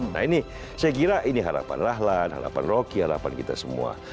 nah ini saya kira ini harapan rahlan harapan rocky harapan kita semua